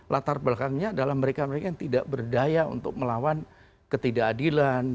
latar belakangnya adalah mereka mereka yang tidak berdaya untuk melawan ketidakadilan